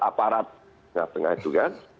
aparat di tengah itu kan